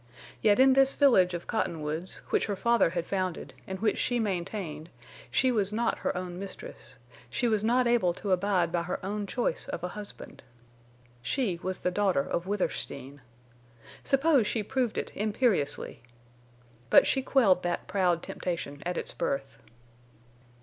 Yet in this village of Cottonwoods, which her father had founded and which she maintained she was not her own mistress; she was not able to abide by her own choice of a husband. She was the daughter of Withersteen. Suppose she proved it, imperiously! But she quelled that proud temptation at its birth.